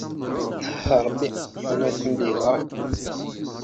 Wah a Ṛebbi yiwen ur ken-id-yeẓṛi.